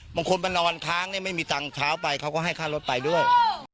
บางคนมานอนค้างเนี่ยไม่มีตังค์เช้าไปเขาก็ให้ค่ารถไปด้วย